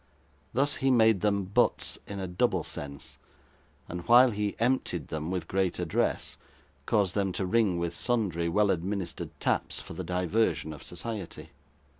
Thus, he made them butts, in a double sense, and while he emptied them with great address, caused them to ring with sundry well administered taps, for the diversion of society.